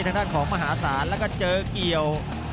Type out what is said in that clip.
ทางด้านของมหาศาลแล้วก็เจอเกี่ยว